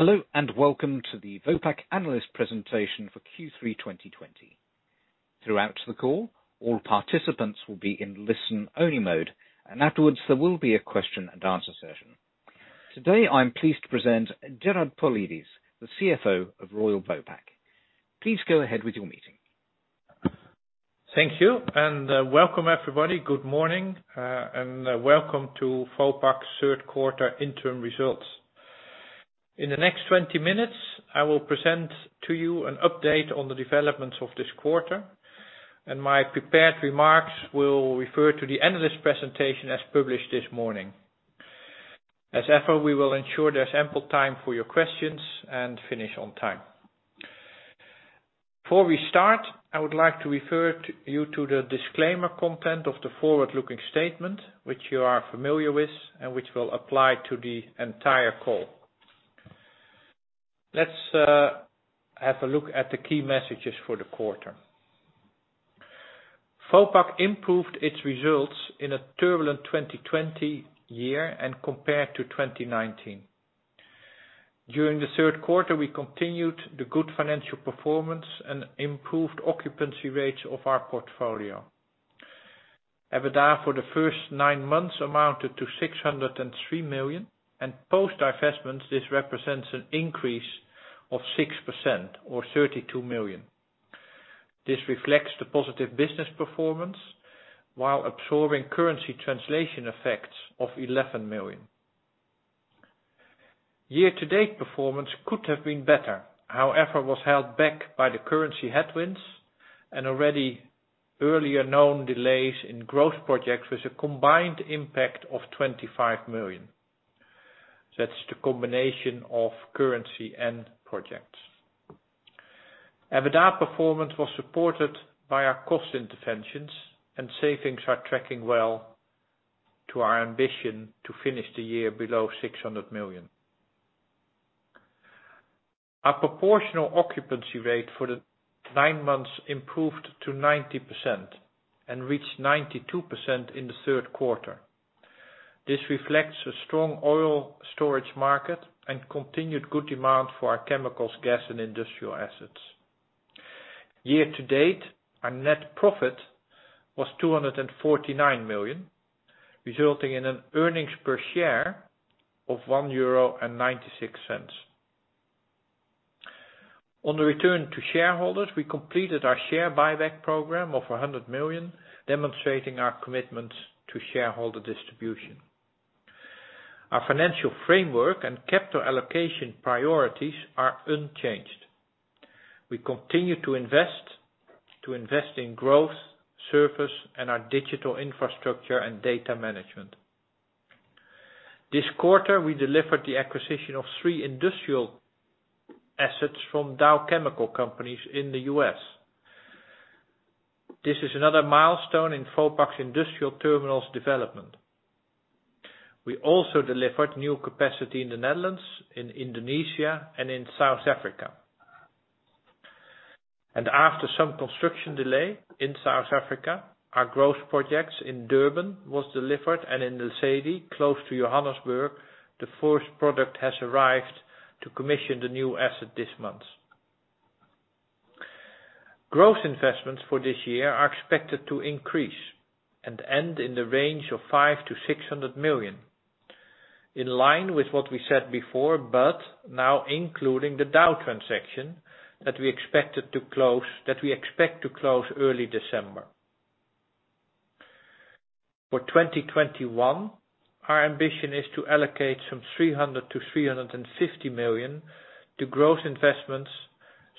Hello, and welcome to the Vopak Analyst Presentation for Q3 2020. Throughout the call, all participants will be in listen-only mode, and afterwards, there will be a question and answer session. Today, I'm pleased to present Gerard Paulides, the CFO of Royal Vopak. Please go ahead with your meeting. Thank you. Welcome everybody. Good morning. Welcome to Vopak's third quarter interim results. In the next 20 minutes, I will present to you an update on the developments of this quarter. My prepared remarks will refer to the end of this presentation as published this morning. As ever, we will ensure there's ample time for your questions and finish on time. Before we start, I would like to refer you to the disclaimer content of the forward-looking statement, which you are familiar with and which will apply to the entire call. Let's have a look at the key messages for the quarter. Vopak improved its results in a turbulent 2020 year and compared to 2019. During the third quarter, we continued the good financial performance and improved occupancy rates of our portfolio. EBITDA for the first nine months amounted to 603 million. Post-divestments, this represents an increase of 6% or 32 million. This reflects the positive business performance while absorbing currency translation effects of 11 million. Year-to-date performance could have been better, however, was held back by the currency headwinds and already earlier known delays in growth projects with a combined impact of 25 million. That's the combination of currency and projects. EBITDA performance was supported by our cost interventions. Savings are tracking well to our ambition to finish the year below 600 million. Our proportional occupancy rate for the nine months improved to 90% and reached 92% in the third quarter. This reflects a strong oil storage market and continued good demand for our chemicals, gas, and industrial assets. Year-to-date, our net profit was 249 million, resulting in an earnings per share of 1.96 euro. On the return to shareholders, we completed our share buyback program of 100 million, demonstrating our commitment to shareholder distribution. Our financial framework and capital allocation priorities are unchanged. We continue to invest in growth, service, and our digital infrastructure and data management. This quarter, we delivered the acquisition of three industrial assets from Dow Chemical Company in the U.S. This is another milestone in Vopak's industrial terminals development. We also delivered new capacity in the Netherlands, in Indonesia, and in South Africa. After some construction delay in South Africa, our growth projects in Durban was delivered and in Lesedi, close to Johannesburg, the first product has arrived to commission the new asset this month. Growth investments for this year are expected to increase and end in the range of 500 million-600 million, in line with what we said before, but now including the Dow transaction that we expect to close early December. For 2021, our ambition is to allocate some 300 million-350 million to growth investments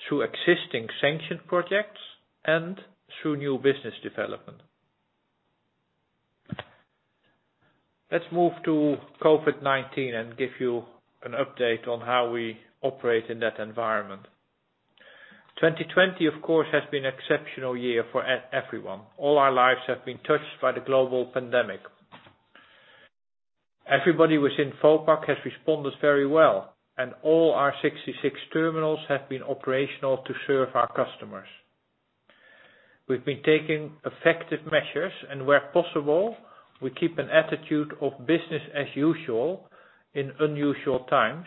through existing sanctioned projects and through new business development. Let's move to COVID-19 and give you an update on how we operate in that environment. 2020, of course, has been an exceptional year for everyone. All our lives have been touched by the global pandemic. Everybody within Vopak has responded very well, and all our 66 terminals have been operational to serve our customers. We've been taking effective measures, and where possible, we keep an attitude of business as usual in unusual times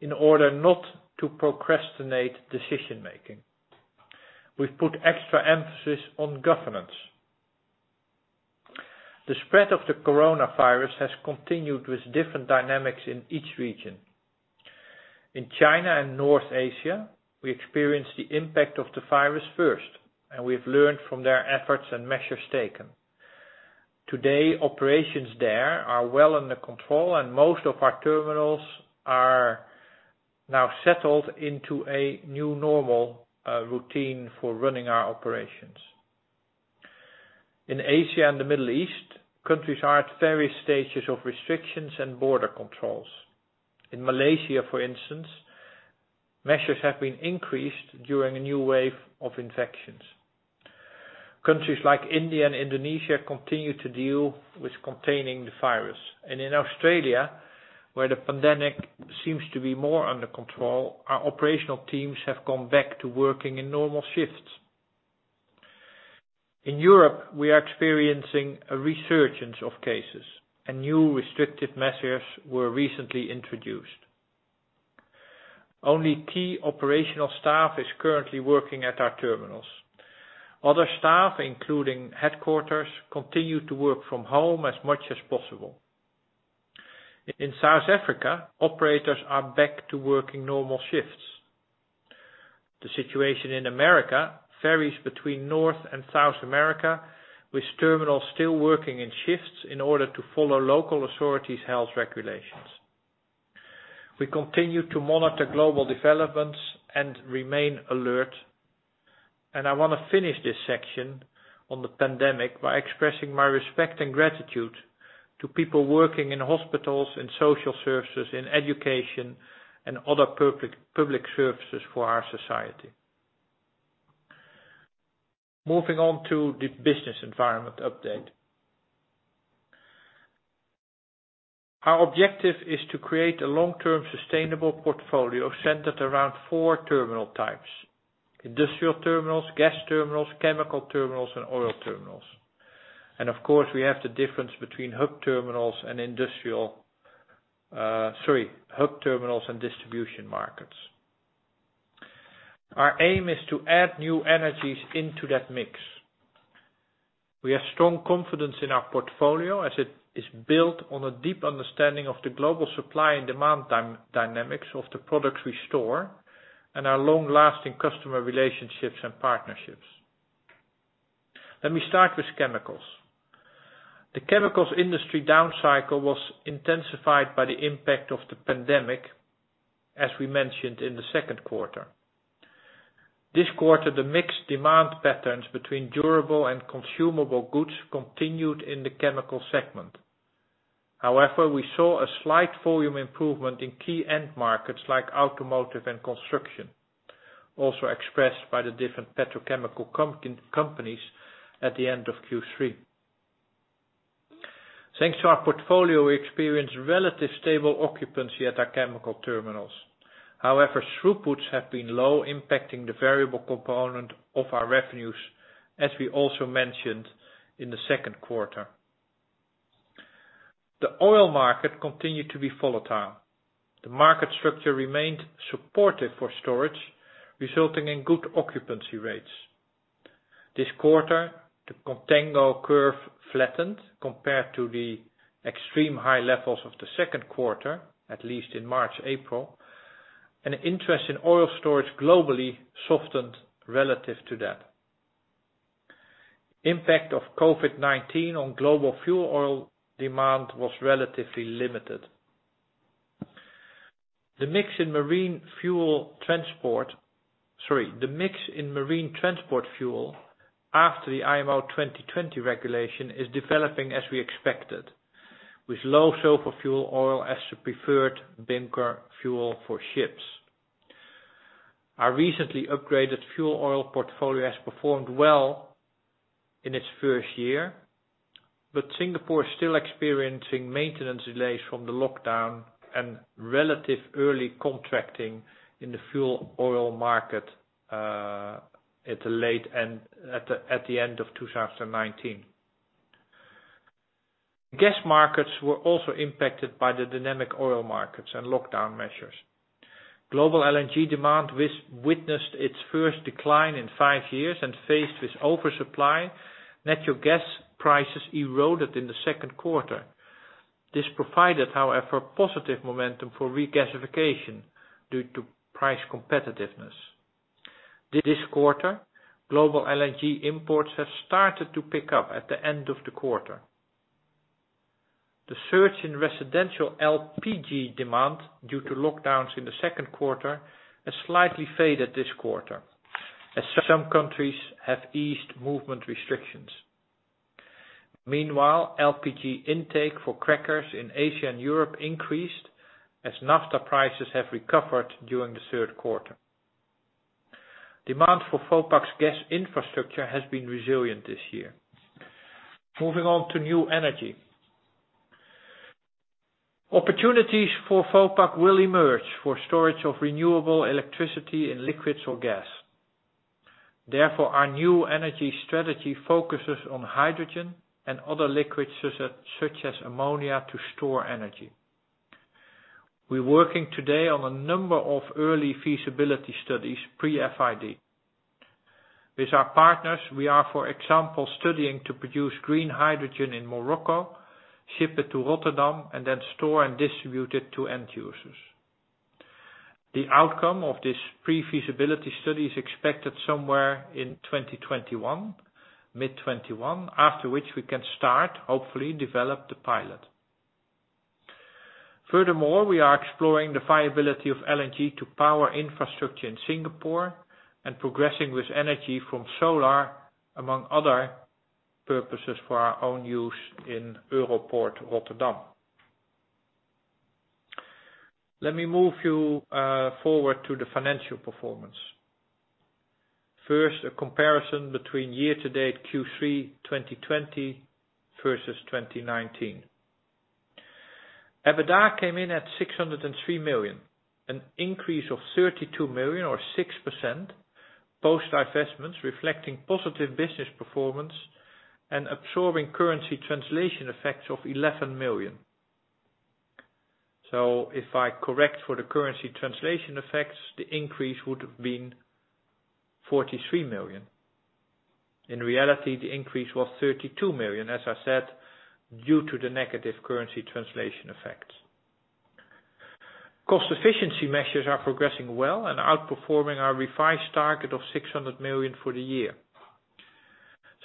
in order not to procrastinate decision-making. We've put extra emphasis on governance. The spread of the coronavirus has continued with different dynamics in each region. In China and North Asia, we experienced the impact of the virus first, and we have learned from their efforts and measures taken. Today, operations there are well under control and most of our terminals are now settled into a new normal routine for running our operations. In Asia and the Middle East, countries are at various stages of restrictions and border controls. In Malaysia, for instance, measures have been increased during a new wave of infections. Countries like India and Indonesia continue to deal with containing the virus. In Australia, where the pandemic seems to be more under control, our operational teams have gone back to working in normal shifts. In Europe, we are experiencing a resurgence of cases and new restrictive measures were recently introduced. Only key operational staff is currently working at our terminals. Other staff, including headquarters, continue to work from home as much as possible. In South Africa, operators are back to working normal shifts. The situation in America varies between North and South America, with terminals still working in shifts in order to follow local authorities' health regulations. We continue to monitor global developments and remain alert. I want to finish this section on the pandemic by expressing my respect and gratitude to people working in hospitals, in social services, in education, and other public services for our society. Moving on to the business environment update. Our objective is to create a long-term sustainable portfolio centered around four terminal types: industrial terminals, gas terminals, chemical terminals, and oil terminals. Of course, we have the difference between hub terminals and distribution markets. Our aim is to add new energies into that mix. We have strong confidence in our portfolio as it is built on a deep understanding of the global supply and demand dynamics of the products we store and our long-lasting customer relationships and partnerships. Let me start with chemicals. The chemicals industry down cycle was intensified by the impact of the pandemic, as we mentioned in the second quarter. This quarter, the mixed demand patterns between durable and consumable goods continued in the chemical segment. We saw a slight volume improvement in key end markets like automotive and construction, also expressed by the different petrochemical companies at the end of Q3. Thanks to our portfolio, we experienced relative stable occupancy at our chemical terminals. Throughputs have been low, impacting the variable component of our revenues, as we also mentioned in the second quarter. The oil market continued to be volatile. The market structure remained supportive for storage, resulting in good occupancy rates. This quarter, the contango curve flattened compared to the extreme high levels of the second quarter, at least in March, April, and interest in oil storage globally softened relative to that. Impact of COVID-19 on global fuel oil demand was relatively limited. The mix in marine transport fuel after the IMO 2020 regulation is developing as we expected, with low sulfur fuel oil as the preferred bunker fuel for ships. Our recently upgraded fuel oil portfolio has performed well in its first year, but Singapore is still experiencing maintenance delays from the lockdown and relative early contracting in the fuel oil market at the end of 2019. Gas markets were also impacted by the dynamic oil markets and lockdown measures. Global LNG demand witnessed its first decline in five years and faced with oversupply, natural gas prices eroded in the second quarter. This provided, however, positive momentum for regasification due to price competitiveness. This quarter, global LNG imports have started to pick up at the end of the quarter. The surge in residential LPG demand due to lockdowns in the second quarter has slightly faded this quarter, as some countries have eased movement restrictions. Meanwhile, LPG intake for crackers in Asia and Europe increased as naphtha prices have recovered during the third quarter. Demand for Vopak's gas infrastructure has been resilient this year. Moving on to new energy. Opportunities for Vopak will emerge for storage of renewable electricity in liquids or gas. Therefore, our new energy strategy focuses on hydrogen and other liquids, such as ammonia to store energy. We're working today on a number of early feasibility studies, pre-FID. With our partners, we are, for example, studying to produce green hydrogen in Morocco, ship it to Rotterdam, and then store and distribute it to end users. The outcome of this pre-feasibility study is expected somewhere in 2021, mid 2021, after which we can start, hopefully, develop the pilot. Furthermore, we are exploring the viability of LNG to power infrastructure in Singapore and progressing with energy from solar, among other purposes, for our own use in Europoort Rotterdam. Let me move you forward to the financial performance. First, a comparison between year to date Q3 2020 versus 2019. EBITDA came in at 603 million, an increase of 32 million or 6% post divestments reflecting positive business performance and absorbing currency translation effects of 11 million. If I correct for the currency translation effects, the increase would have been 43 million. In reality, the increase was 32 million, as I said, due to the negative currency translation effects. Cost efficiency measures are progressing well and outperforming our revised target of 600 million for the year.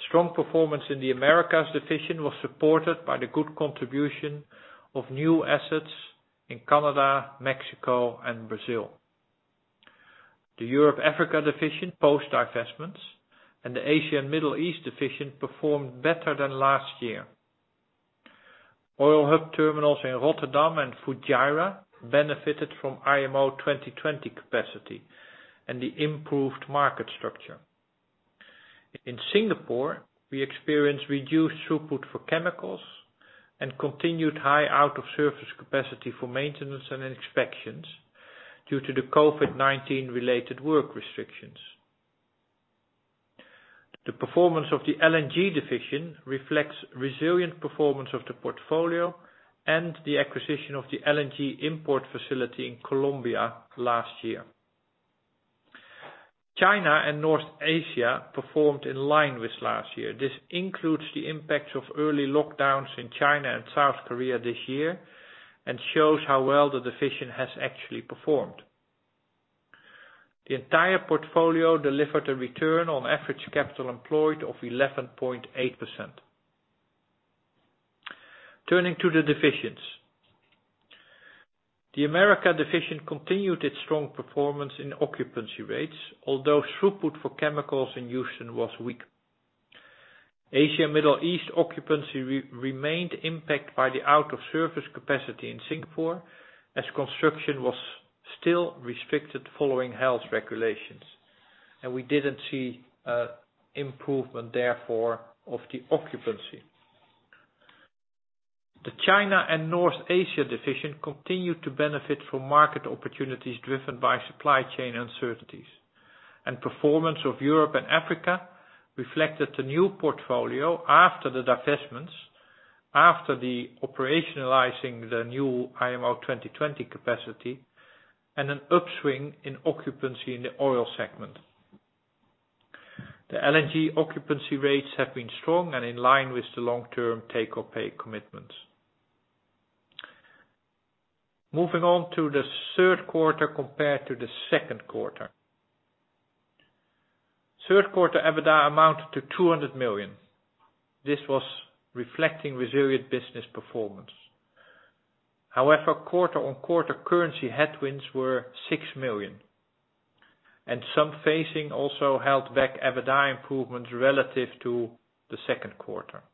Strong performance in the Americas division was supported by the good contribution of new assets in Canada, Mexico and Brazil. The Europe Africa division, post divestments, and the Asia and Middle East division performed better than last year. Oil hub terminals in Europoort Rotterdam and Fujairah benefited from IMO 2020 capacity and the improved market structure. In Singapore, we experienced reduced throughput for chemicals and continued high out of service capacity for maintenance and inspections due to the COVID-19 related work restrictions. The performance of the LNG division reflects resilient performance of the portfolio and the acquisition of the LNG import facility in Colombia last year. China and North Asia performed in line with last year. This includes the impacts of early lockdowns in China and South Korea this year and shows how well the division has actually performed. The entire portfolio delivered a return on average capital employed of 11.8%. Turning to the divisions. The Americas division continued its strong performance in occupancy rates, although throughput for chemicals in Houston was weak. Asia Middle East occupancy remained impacted by the out of service capacity in Singapore, as construction was still restricted following health regulations, and we didn't see improvement therefore of the occupancy. The China and North Asia division continued to benefit from market opportunities driven by supply chain uncertainties. Performance of Europe and Africa reflected the new portfolio after the divestments, after the operationalizing the new IMO 2020 capacity and an upswing in occupancy in the oil segment. The LNG occupancy rates have been strong and in line with the long-term take-or-pay commitments. Moving on to the third quarter compared to the second quarter. Third quarter EBITDA amounted to 200 million. This was reflecting resilient business performance. Quarter-on-quarter currency headwinds were 6 million, and some phasing also held back EBITDA improvements relative to the second quarter.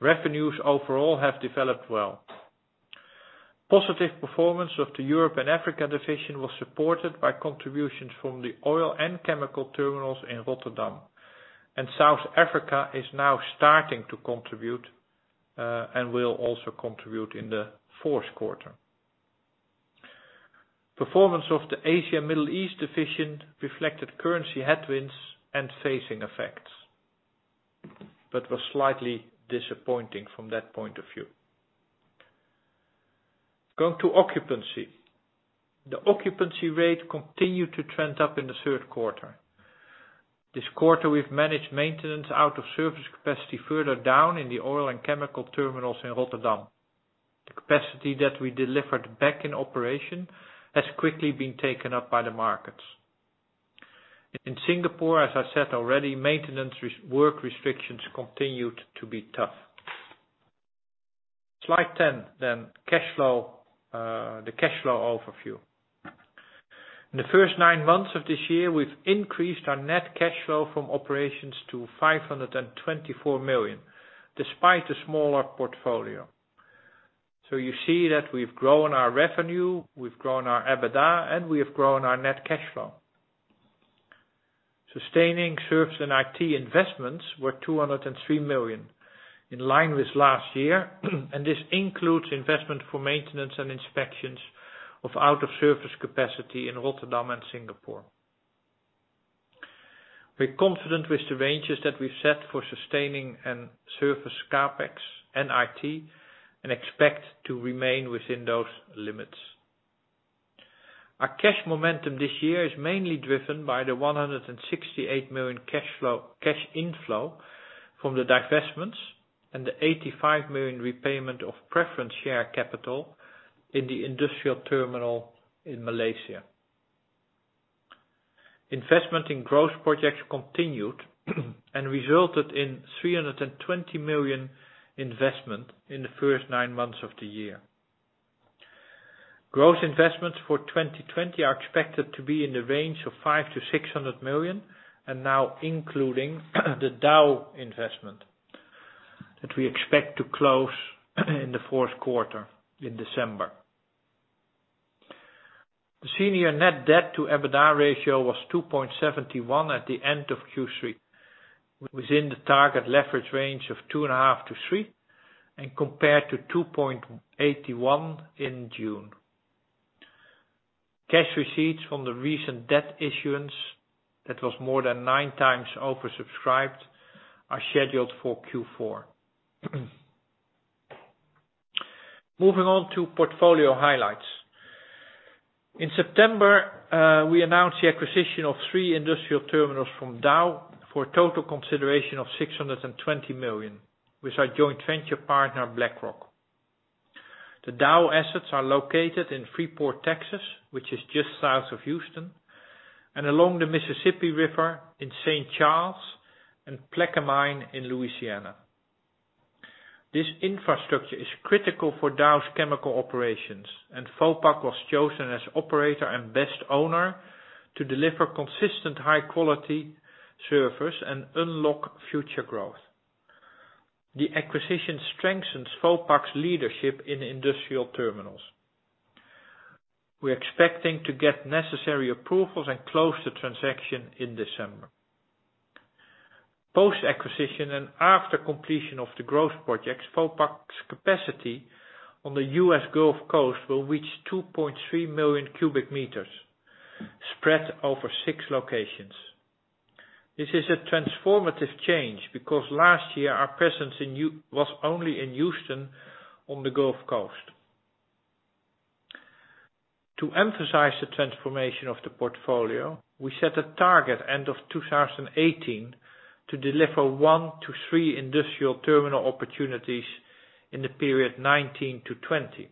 Revenues overall have developed well. Positive performance of the Europe and Africa division was supported by contributions from the oil and chemical terminals in Rotterdam. South Africa is now starting to contribute, and will also contribute in the fourth quarter. Performance of the Asia Middle East division reflected currency headwinds and phasing effects, but was slightly disappointing from that point of view. Going to occupancy. The occupancy rate continued to trend up in the third quarter. This quarter, we've managed maintenance out of service capacity further down in the oil and chemical terminals in Rotterdam. The capacity that we delivered back in operation has quickly been taken up by the markets. In Singapore, as I said already, maintenance work restrictions continued to be tough. Slide 10. The cash flow overview. In the first nine months of this year, we've increased our net cash flow from operations to 524 million, despite a smaller portfolio. You see that we've grown our revenue, we've grown our EBITDA, and we have grown our net cash flow. Sustaining service and IT investments were 203 million, in line with last year, and this includes investment for maintenance and inspections of out of service capacity in Rotterdam and Singapore. We're confident with the ranges that we've set for sustaining and service CapEx and IT and expect to remain within those limits. Our cash momentum this year is mainly driven by the 168 million cash inflow from the divestments and the 85 million repayment of preference share capital in the industrial terminal in Malaysia. Investment in growth projects continued and resulted in 320 million investment in the first nine months of the year. Growth investments for 2020 are expected to be in the range of 500 million-600 million and now including the Dow investment that we expect to close in the fourth quarter in December. The senior net debt to EBITDA ratio was 2.71 at the end of Q3, within the target leverage range of 2.5-3, and compared to 2.81 in June. Cash receipts from the recent debt issuance, that was more than nine times oversubscribed, are scheduled for Q4. Moving on to portfolio highlights. In September, we announced the acquisition of three industrial terminals from Dow for a total consideration of 620 million, with our joint venture partner, BlackRock. The Dow assets are located in Freeport, Texas, which is just south of Houston, and along the Mississippi River in St. Charles and Plaquemine in Louisiana. This infrastructure is critical for Dow's chemical operations, Vopak was chosen as operator and best owner to deliver consistent high-quality service and unlock future growth. The acquisition strengthens Vopak's leadership in industrial terminals. We're expecting to get necessary approvals and close the transaction in December. Post-acquisition and after completion of the growth projects, Vopak's capacity on the U.S. Gulf Coast will reach 2.3 million cubic meters spread over six locations. This is a transformative change because last year, our presence was only in Houston on the Gulf Coast. To emphasize the transformation of the portfolio, we set a target end of 2018 to deliver one to three industrial terminal opportunities in the period 2019 to 2020.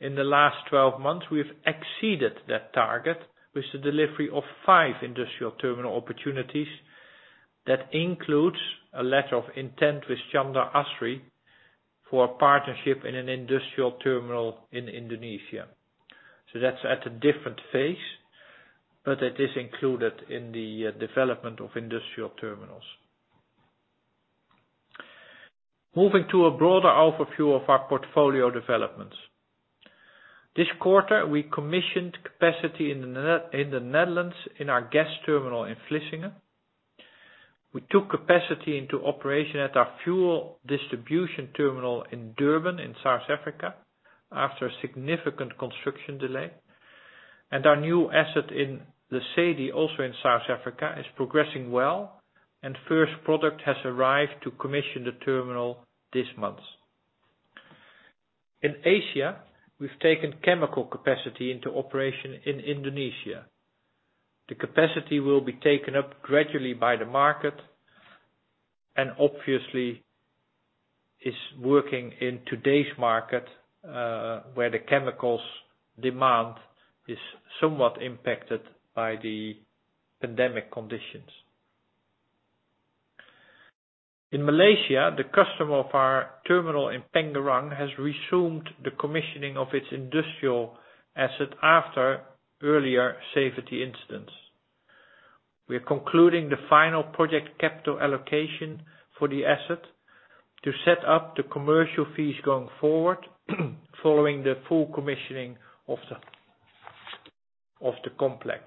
In the last 12 months, we've exceeded that target with the delivery of five industrial terminal opportunities. That includes a letter of intent with Chandra Asri for a partnership in an industrial terminal in Indonesia. That's at a different phase, but it is included in the development of industrial terminals. Moving to a broader overview of our portfolio developments. This quarter, we commissioned capacity in the Netherlands in our gas terminal in Vlissingen. We took capacity into operation at our fuel distribution terminal in Durban in South Africa after a significant construction delay. Our new asset in Lesedi, also in South Africa, is progressing well and first product has arrived to commission the terminal this month. In Asia, we've taken chemical capacity into operation in Indonesia. The capacity will be taken up gradually by the market and obviously is working in today's market, where the chemicals demand is somewhat impacted by the pandemic conditions. In Malaysia, the customer of our terminal in Pengerang has resumed the commissioning of its industrial asset after earlier safety incidents. We are concluding the final project capital allocation for the asset to set up the commercial fees going forward, following the full commissioning of the complex.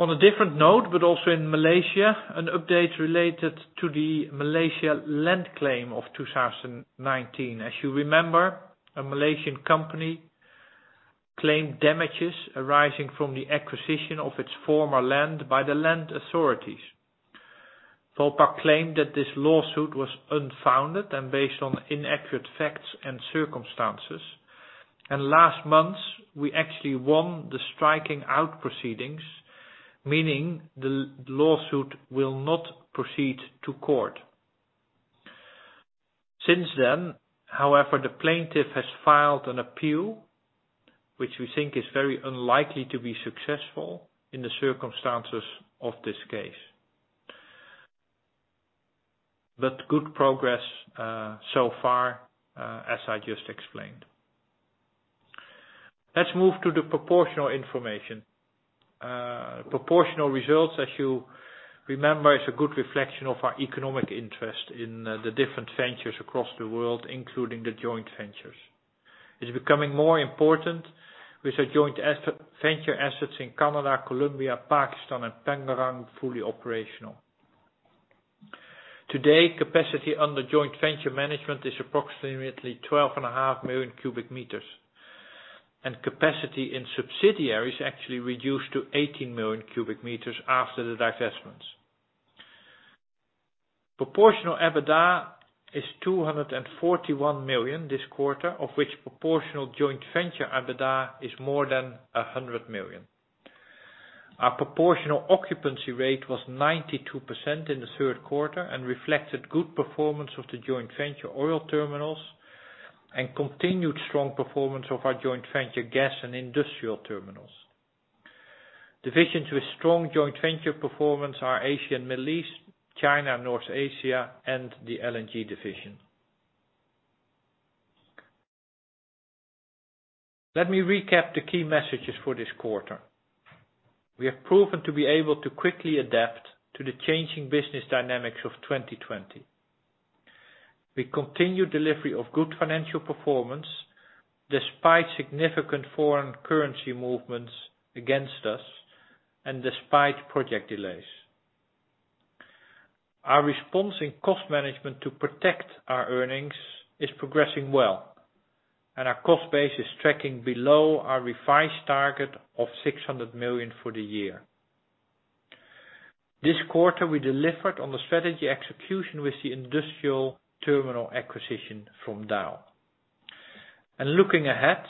On a different note, but also in Malaysia, an update related to the Malaysia land claim of 2019. As you remember, a Malaysian company claimed damages arising from the acquisition of its former land by the land authorities. Vopak claimed that this lawsuit was unfounded and based on inaccurate facts and circumstances. Last month, we actually won the striking out proceedings, meaning the lawsuit will not proceed to court. Since then, however, the plaintiff has filed an appeal, which we think is very unlikely to be successful in the circumstances of this case. Good progress so far, as I just explained. Let's move to the proportional information. Proportional results, as you remember, is a good reflection of our economic interest in the different ventures across the world, including the joint ventures. It's becoming more important with our joint venture assets in Canada, Colombia, Pakistan, and Pengerang fully operational. Today, capacity under joint venture management is approximately 12.5 million cubic meters, and capacity in subsidiaries actually reduced to 18 million cubic meters after the divestments. Proportional EBITDA is 241 million this quarter, of which proportional joint venture EBITDA is more than 100 million. Our proportional occupancy rate was 92% in the third quarter and reflected good performance of the joint venture oil terminals and continued strong performance of our joint venture gas and industrial terminals. Divisions with strong joint venture performance are Asia and Middle East, China, North Asia, and the LNG division. Let me recap the key messages for this quarter. We have proven to be able to quickly adapt to the changing business dynamics of 2020. We continue delivery of good financial performance despite significant foreign currency movements against us and despite project delays. Our response in cost management to protect our earnings is progressing well, and our cost base is tracking below our revised target of 600 million for the year. This quarter, we delivered on the strategy execution with the industrial terminal acquisition from Dow. Looking ahead,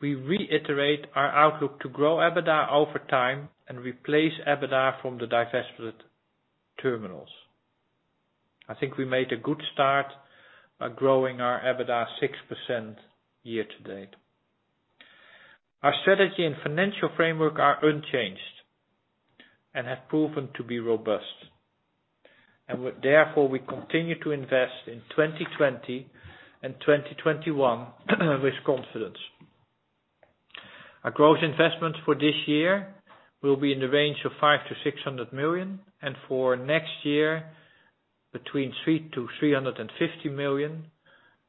we reiterate our outlook to grow EBITDA over time and replace EBITDA from the divested terminals. I think we made a good start by growing our EBITDA 6% year to date. Our strategy and financial framework are unchanged and have proven to be robust. Therefore, we continue to invest in 2020 and 2021 with confidence. Our growth investments for this year will be in the range of 500 million-600 million, and for next year, between 300 million-350 million,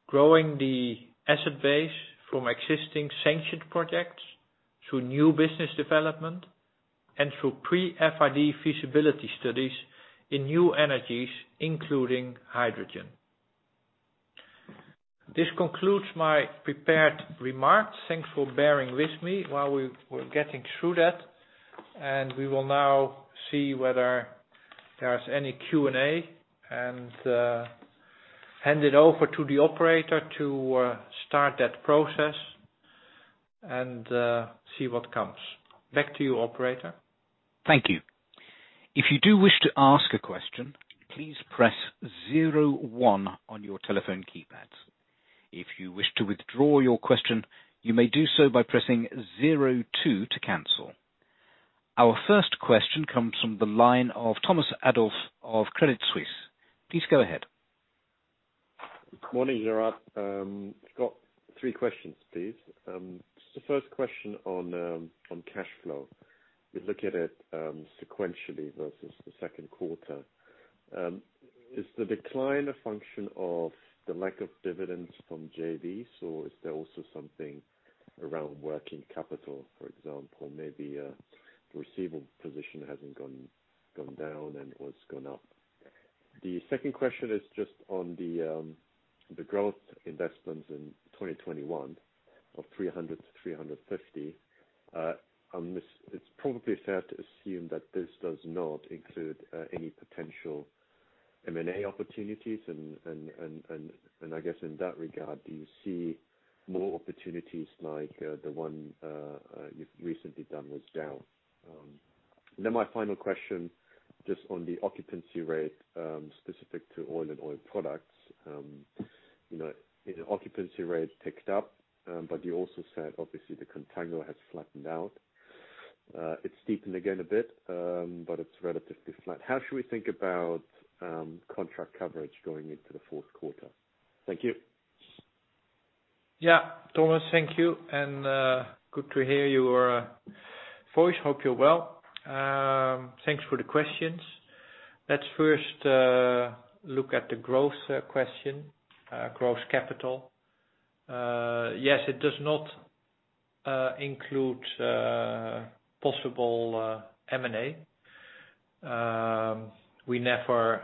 growing the asset base from existing sanctioned projects through new business development and through pre-FID feasibility studies in new energies, including hydrogen. This concludes my prepared remarks. Thanks for bearing with me while we're getting through that, and we will now see whether there's any Q&A and hand it over to the operator to start that process and see what comes. Back to you, operator. Thank you. If you do wish to ask a question, please press zero one on your telephone keyboards. If you wish to withdraw your question, you may do so by pressing zero two to cancel. Our first question comes from the line of Thomas Adolff of Credit Suisse. Please go ahead. Good morning, Gerard. I've got three questions, please. The first question on cash flow. We look at it sequentially versus the second quarter. Is the decline a function of the lack of dividends from JVs, or is there also something around working capital, for example, maybe a receivable position that hasn't gone down and it has gone up? The second question is just on the growth investments in 2021 of 300 million to 350 million. It's probably fair to assume that this does not include any potential M&A opportunities. I guess in that regard, do you see more opportunities like the one you've recently done with Dow? My final question, just on the occupancy rate specific to oil and oil products. Occupancy rate picked up, but you also said obviously the contango has flattened out. It's deepened again a bit, but it's relatively flat. How should we think about contract coverage going into the fourth quarter? Thank you. Yeah. Thomas, thank you. Good to hear your voice. Hope you're well. Thanks for the questions. Let's first look at the growth question, growth capital. Yes, it does not include possible M&A. We never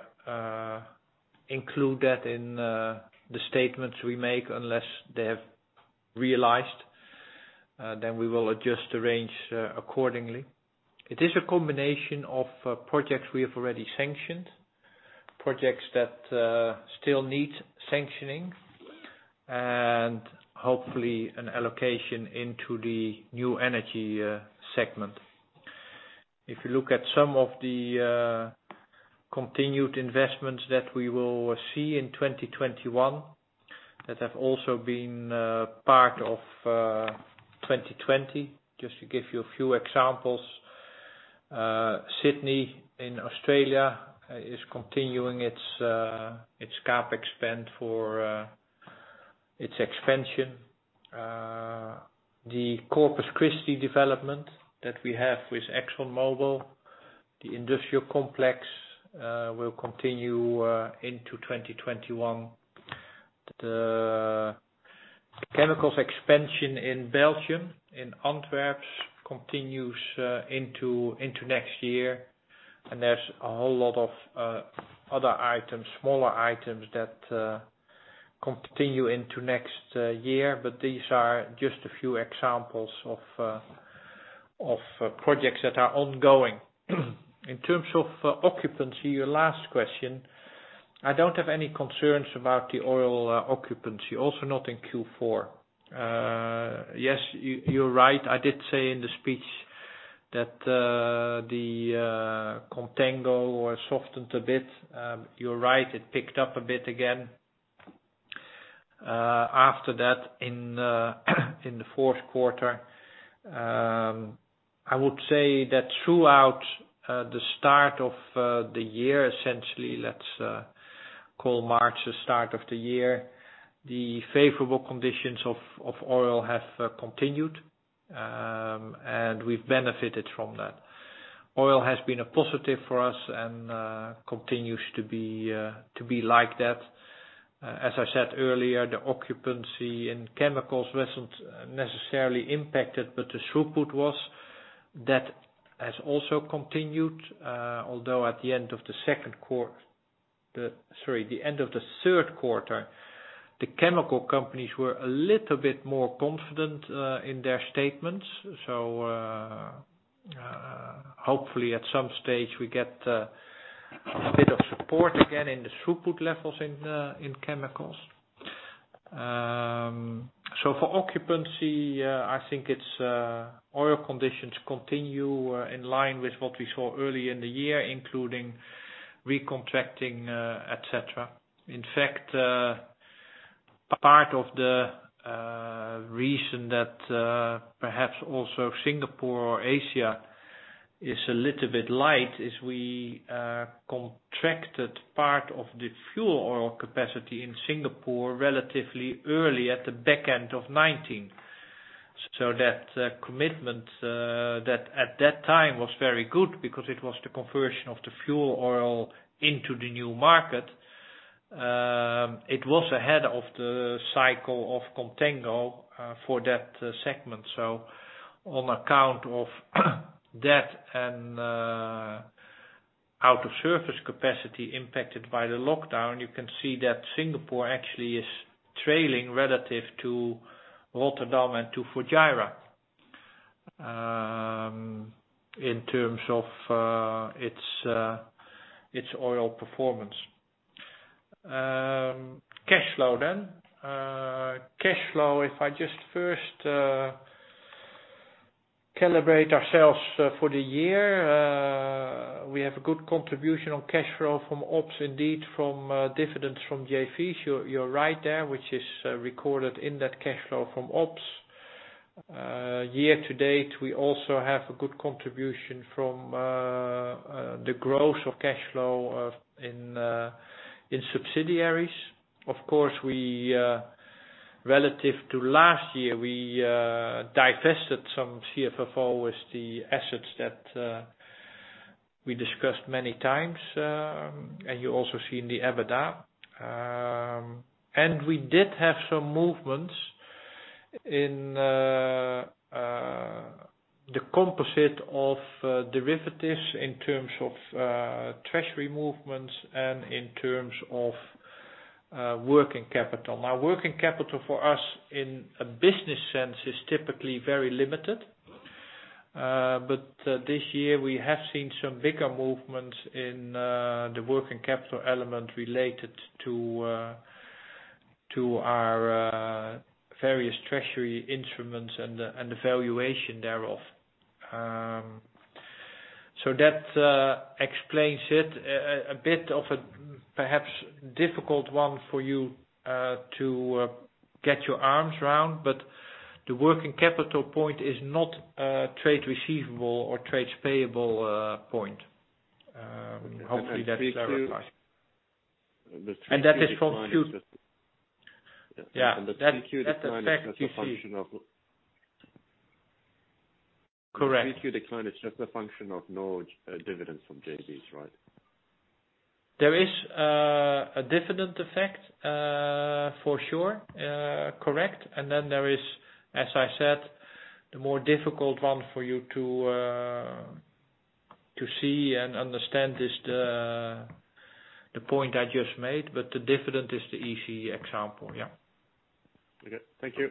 include that in the statements we make unless they have realized. We will adjust the range accordingly. It is a combination of projects we have already sanctioned, projects that still need sanctioning, and hopefully an allocation into the new energy segment. If you look at some of the continued investments that we will see in 2021, that have also been part of 2020, just to give you a few examples. Sydney in Australia is continuing its CapEx spend for its expansion. The Corpus Christi development that we have with ExxonMobil, the industrial complex will continue into 2021. The chemicals expansion in Belgium, in Antwerp continues into next year, and there's a whole lot of other items, smaller items that continue into next year. These are just a few examples of projects that are ongoing. In terms of occupancy, your last question, I don't have any concerns about the oil occupancy, also not in Q4. You're right. I did say in the speech that the contango softened a bit. You're right, it picked up a bit again after that in the fourth quarter. I would say that throughout the start of the year, essentially let's call March the start of the year. The favorable conditions of oil have continued, and we've benefited from that. Oil has been a positive for us and continues to be like that. As I said earlier, the occupancy in chemicals wasn't necessarily impacted, but the throughput was. That has also continued. Although at the end of the third quarter, the chemical companies were a little bit more confident in their statements. Hopefully, at some stage we get a bit of support again in the throughput levels in chemicals. For occupancy, I think its oil conditions continue in line with what we saw early in the year, including recontracting, et cetera. In fact, part of the reason that perhaps also Singapore or Asia is a little bit light is we contracted part of the fuel oil capacity in Singapore relatively early at the back end of 2019. That commitment, that at that time was very good because it was the conversion of the fuel oil into the new market. It was ahead of the cycle of contango, for that segment. On account of that and out of service capacity impacted by the lockdown, you can see that Singapore actually is trailing relative to Rotterdam and to Fujairah, in terms of its oil performance. Cash flow then. Cash flow, if I just first calibrate ourselves for the year. We have a good contribution on cash flow from ops, indeed, from dividends from JVs. You're right there, which is recorded in that cash flow from ops. Year to date, we also have a good contribution from the growth of cash flow in subsidiaries. Of course, relative to last year, we divested some CFFO with the assets that we discussed many times. You also see in the EBITDA. We did have some movements in the composite of derivatives in terms of treasury movements and in terms of working capital. Now, working capital for us in a business sense is typically very limited. This year we have seen some bigger movements in the working capital element related to our various treasury instruments and the valuation thereof. That explains it, a bit of a perhaps difficult one for you to get your arms around, but the working capital point is not a trade receivable or trade payable point. Hopefully that clarifies. The 3Q decline is- That is from... Yeah. The 3Q decline is just a function of- Correct. The 3Q decline is just a function of no dividends from JVs, right? There is a dividend effect, for sure. Correct. Then there is, as I said, the more difficult one for you to see and understand is the point I just made, but the dividend is the easy example. Yeah. Okay. Thank you.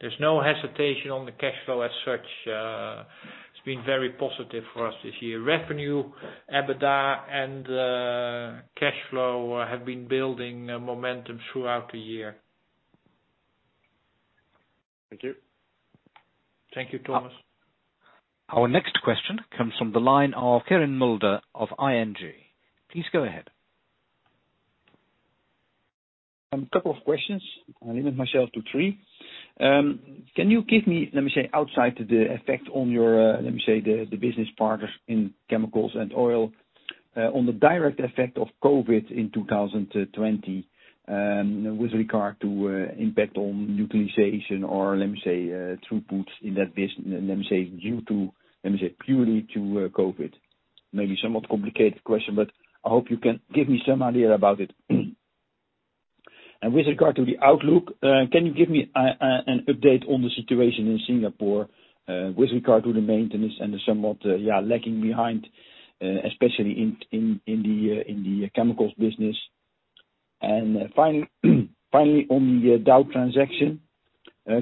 There's no hesitation on the cash flow as such. It's been very positive for us this year. Revenue, EBITDA, and cash flow have been building momentum throughout the year. Thank you. Thank you, Thomas. Our next question comes from the line of Quirijn Mulder of ING. Please go ahead. A couple of questions. I'll limit myself to three. Can you give me, let me say, outside the effect on your, let me say, the business partners in chemicals and oil, on the direct effect of COVID in 2020, with regard to impact on utilization or, let me say, throughputs in that business, let me say, due to, let me say, purely to COVID? Maybe a somewhat complicated question. I hope you can give me some idea about it. With regard to the outlook, can you give me an update on the situation in Singapore, with regard to the maintenance and the somewhat lacking behind, especially in the chemicals business? Finally, on the Dow transaction,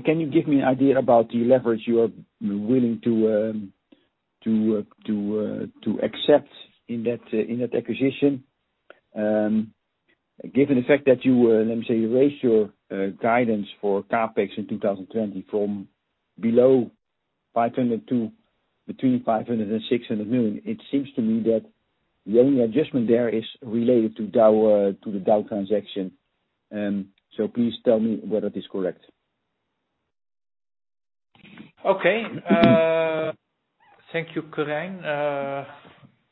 can you give me an idea about the leverage you are willing to accept in that acquisition, given the fact that you raised your guidance for CapEx in 2020 from below 500 million to between 500 million and 600 million. It seems to me that the only adjustment there is related to the Dow transaction. Please tell me whether it is correct. Okay. Thank you, Quirijn.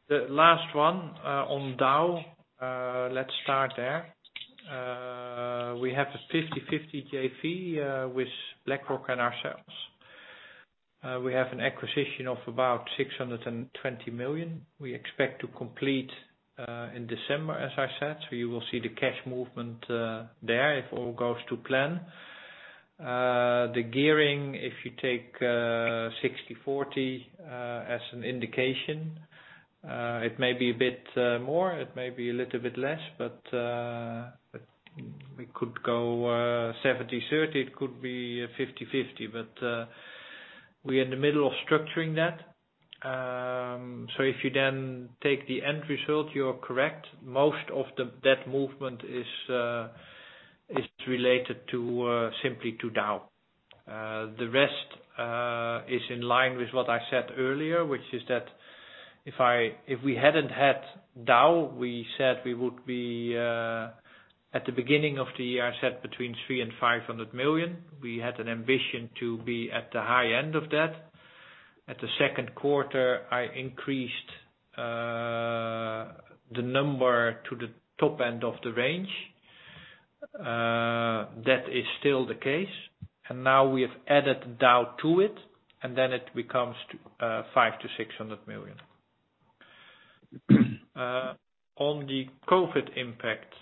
The last one on Dow. Let's start there. We have a 50/50 JV with BlackRock and ourselves. We have an acquisition of about 620 million. We expect to complete in December, as I said. You will see the cash movement there if all goes to plan. The gearing, if you take 60/40 as an indication, it may be a bit more, it may be a little bit less. It could go 70/30, it could be 50/50. We are in the middle of structuring that. If you then take the end result, you are correct, most of the debt movement is related simply to Dow. The rest is in line with what I said earlier, which is that if we hadn't had Dow, at the beginning of the year, I said between 300 million and 500 million. We had an ambition to be at the high end of that. At the second quarter, I increased the number to the top end of the range. That is still the case. Now we have added Dow to it becomes EUR 500 million-EUR 600 million. On the COVID impact,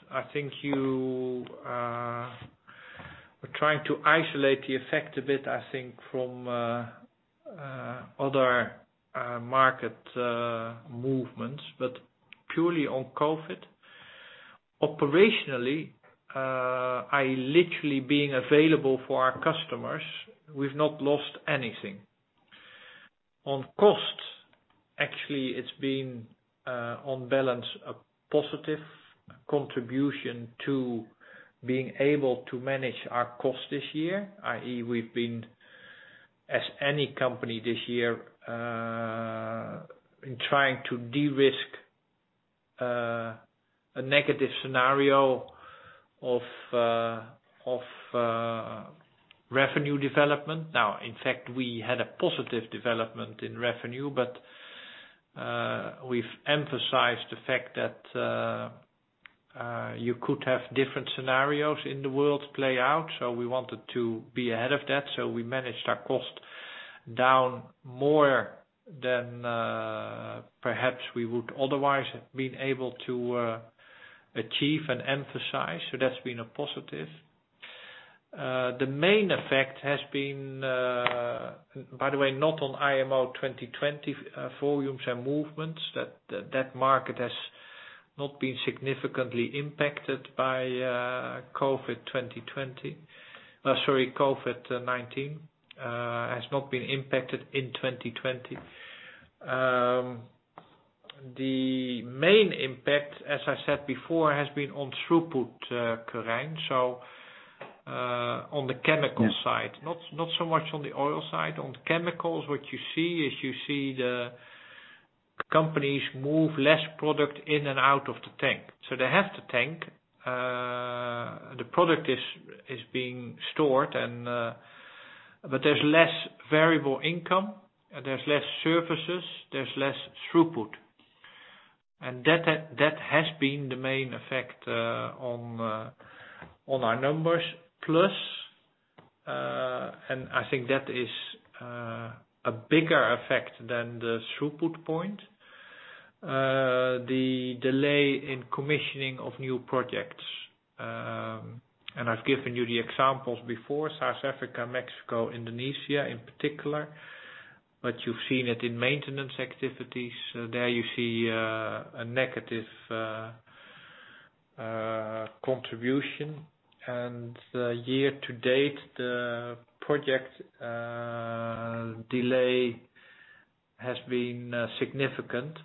you were trying to isolate the effect a bit from other market movements, purely on COVID, operationally, literally being available for our customers, we've not lost anything. On cost, actually, it's been, on balance, a positive contribution to being able to manage our cost this year, i.e., we've been, as any company this year, trying to de-risk a negative scenario of revenue development. Now, in fact, we had a positive development in revenue, we've emphasized the fact that you could have different scenarios in the world play out. We wanted to be ahead of that. We managed our cost down more than perhaps we would otherwise have been able to achieve and emphasize. That's been a positive. The main effect has been, by the way, not on IMO 2020 volumes and movements. That market has not been significantly impacted by COVID-19, has not been impacted in 2020. The main impact, as I said before, has been on throughput, Quirijn. On the chemical side. Not so much on the oil side. On chemicals, what you see is you see the companies move less product in and out of the tank. They have to tank. The product is being stored, but there's less variable income, there's less services, there's less throughput. That has been the main effect on our numbers. I think that is a bigger effect than the throughput point, the delay in commissioning of new projects. I've given you the examples before, South Africa, Mexico, Indonesia in particular, but you've seen it in maintenance activities. There you see a negative contribution. Year to date, the project delay has been significant.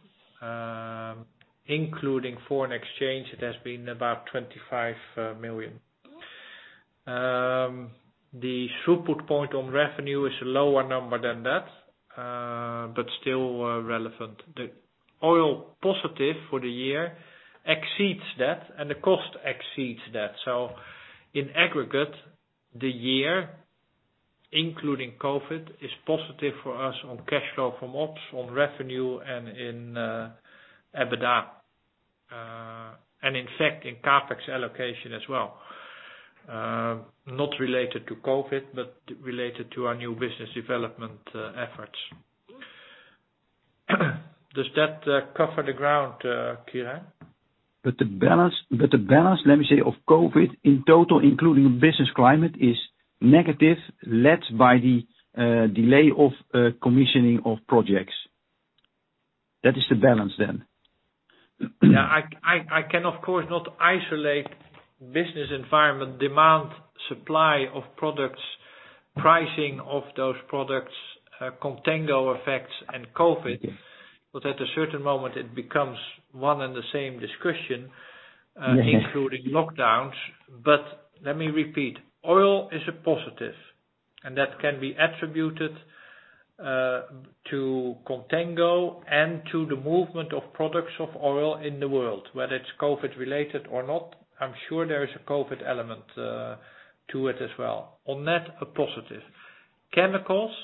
Including foreign exchange, it has been about 25 million. The throughput point on revenue is a lower number than that, but still relevant. Oil positive for the year exceeds that and the cost exceeds that. In aggregate, the year, including COVID, is positive for us on cash flow from ops, on revenue, and in EBITDA. In fact, in CapEx allocation as well. Not related to COVID, but related to our new business development efforts. Does that cover the ground, Quirijn? The balance, let me say, of COVID in total, including business climate, is negative, led by the delay of commissioning of projects. That is the balance then. Yeah. I can, of course, not isolate business environment, demand, supply of products, pricing of those products, contango effects, and COVID. At a certain moment it becomes one and the same discussion, including lockdowns. Let me repeat, oil is a positive, and that can be attributed to contango and to the movement of products of oil in the world, whether it's COVID related or not, I'm sure there is a COVID element to it as well. On net, a positive. Chemicals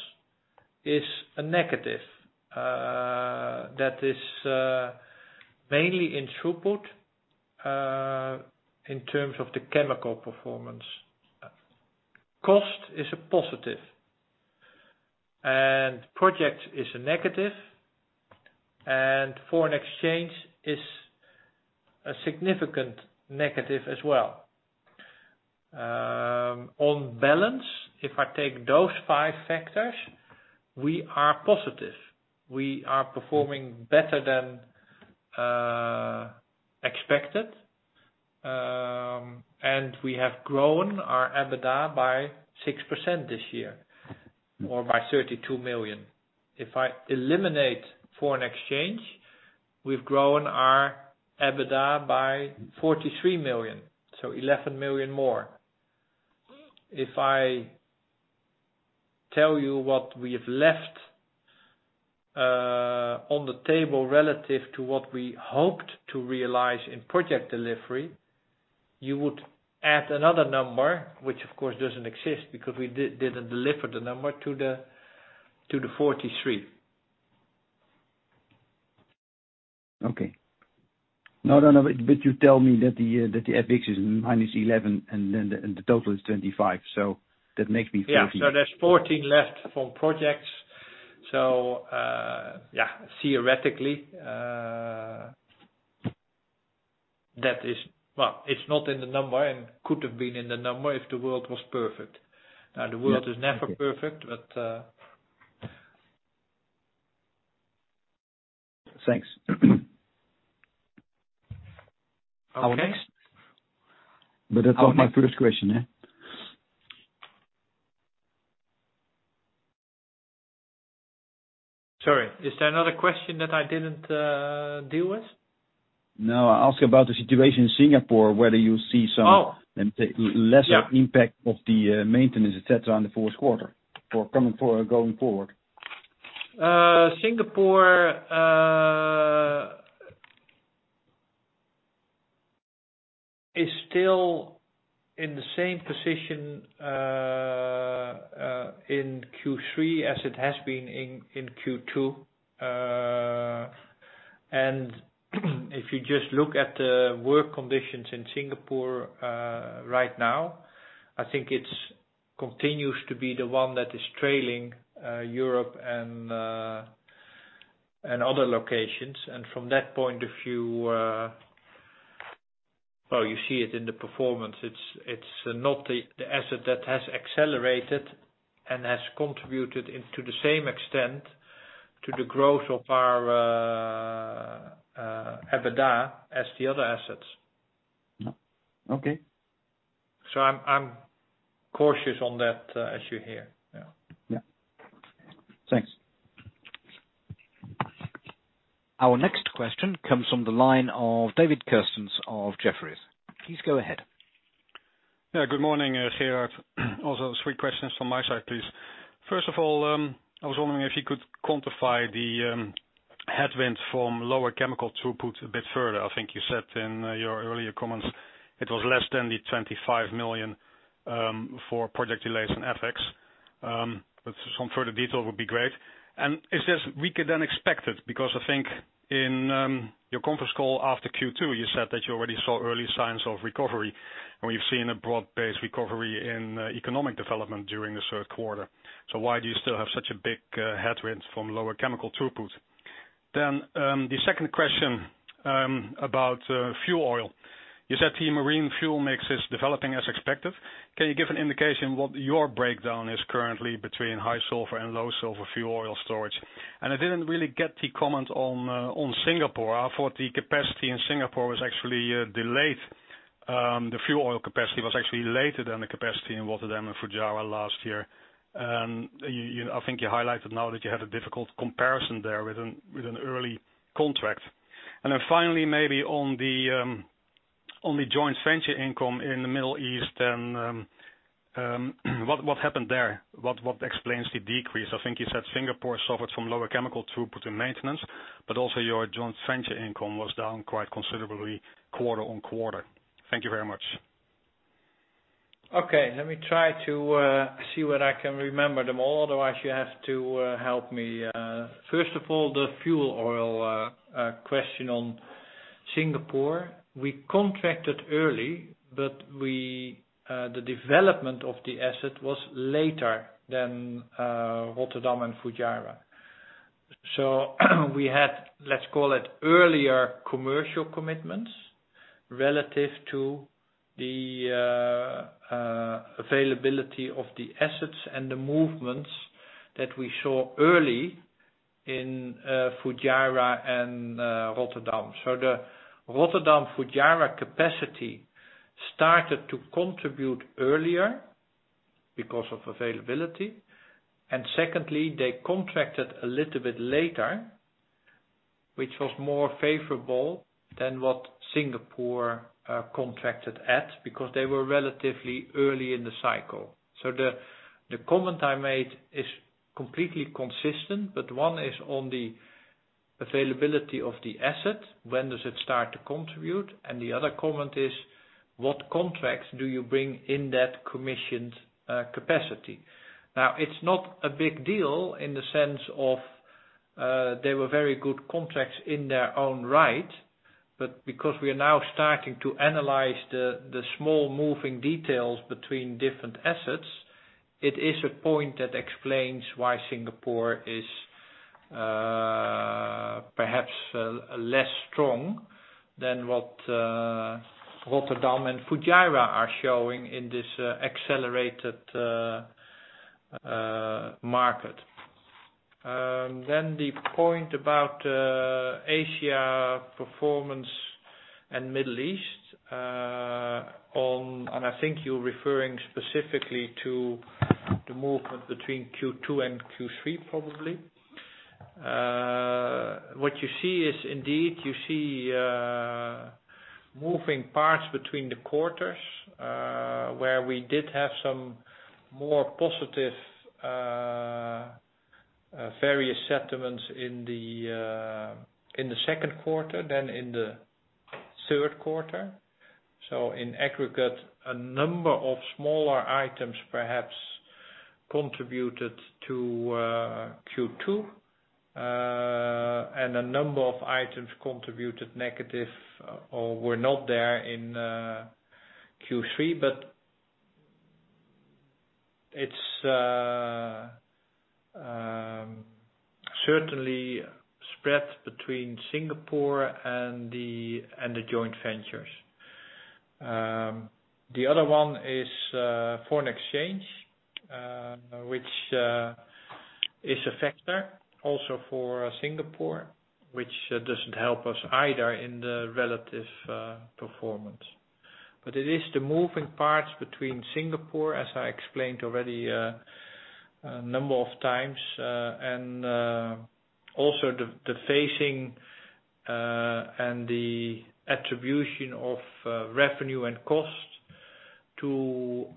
is a negative. That is mainly in throughput, in terms of the chemical performance. Cost is a positive, and project is a negative, and foreign exchange is a significant negative as well. On balance, if I take those five factors, we are positive. We are performing better than expected. We have grown our EBITDA by 6% this year or by 32 million. If I eliminate foreign exchange, we've grown our EBITDA by 43 million. 11 million more. If I tell you what we have left on the table relative to what we hoped to realize in project delivery, you would add another number, which of course doesn't exist because we didn't deliver the number to the 43 million. Okay. No, you tell me that the FX is -11 million and then the total is 25 million. That makes me 14 million. Yeah. There's 14 million left from projects. Yeah, theoretically, it's not in the number and could have been in the number if the world was perfect. The world is never perfect, but- Thanks. Our next- That was my first question. Yeah. Sorry. Is there another question that I didn't deal with? No, I ask about the situation in Singapore, whether you see some- Oh. Let me say, lesser- Yeah. Impact of the maintenance, et cetera, in the fourth quarter or going forward. Singapore, is still in the same position in Q3 as it has been in Q2. If you just look at the work conditions in Singapore right now, I think it continues to be the one that is trailing Europe and other locations. From that point, you see it in the performance. It's not the asset that has accelerated and has contributed into the same extent to the growth of our EBITDA as the other assets. Okay. I'm cautious on that issue here. Yeah. Yeah. Thanks. Our next question comes from the line of David Kerstens of Jefferies. Please go ahead. Yeah, good morning, Gerard. Also three questions from my side, please. First of all, I was wondering if you could quantify the headwind from lower chemical throughput a bit further. I think you said in your earlier comments it was less than the 25 million, for project delays and FX. Some further detail would be great. Is this weaker than expected? I think in your conference call after Q2, you said that you already saw early signs of recovery. We've seen a broad-based recovery in economic development during the third quarter. Why do you still have such a big headwind from lower chemical throughput? The second question, about fuel oil. You said the marine fuel mix is developing as expected. Can you give an indication what your breakdown is currently between high sulfur and low sulfur fuel oil storage? I didn't really get the comment on Singapore. I thought the capacity in Singapore was actually delayed. The fuel oil capacity was actually later than the capacity in Rotterdam and Fujairah last year. I think you highlighted now that you had a difficult comparison there with an early contract. Finally, maybe on the joint venture income in the Middle East then, what happened there? What explains the decrease? I think you said Singapore suffered from lower chemical throughput and maintenance, but also your joint venture income was down quite considerably quarter-on-quarter. Thank you very much. Okay. Let me try to see what I can remember them all. Otherwise, you have to help me. First of all, the fuel oil question on Singapore. We contracted early, but the development of the asset was later than Rotterdam and Fujairah. We had, let's call it earlier commercial commitments relative to the availability of the assets and the movements that we saw early in Fujairah and Rotterdam. The Rotterdam, Fujairah capacity started to contribute earlier because of availability. Secondly, they contracted a little bit later, which was more favorable than what Singapore contracted at, because they were relatively early in the cycle. The comment I made is completely consistent, but one is on the availability of the asset, when does it start to contribute? The other comment is, what contracts do you bring in that commissioned capacity? It's not a big deal in the sense of, they were very good contracts in their own right, but because we are now starting to analyze the small moving details between different assets, it is a point that explains why Singapore is perhaps less strong than what Rotterdam and Fujairah are showing in this accelerated market. The point about Asia performance and Middle East, and I think you're referring specifically to the movement between Q2 and Q3, probably. What you see is indeed, you see moving parts between the quarters, where we did have some more positive various settlements in the second quarter than in the third quarter. In aggregate, a number of smaller items perhaps contributed to Q2. A number of items contributed negative or were not there in Q3. It's certainly spread between Singapore and the joint ventures. The other one is foreign exchange, which is a factor also for Singapore, which doesn't help us either in the relative performance. It is the moving parts between Singapore, as I explained already a number of times, and also the phasing and the attribution of revenue and cost to